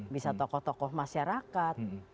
bisa tokoh tokoh masyarakat